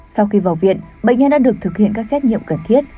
sau khi vào viện bệnh nhân đã được thực hiện các xét nghiệm cần thiết